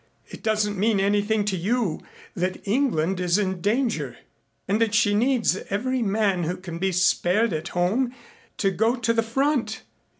It doesn't mean anything to you that England is in danger and that she needs every man who can be spared at home to go to the front.